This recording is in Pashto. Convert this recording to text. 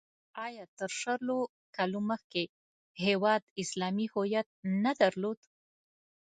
آیا تر شلو کالو مخکې هېواد اسلامي هویت نه درلود؟